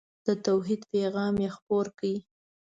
د توحید پیغام یې خپور کړ.